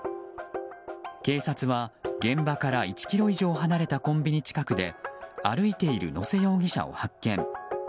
警察は現場から１ｋｍ以上離れたコンビニ近くで歩いている野瀬容疑者を発見。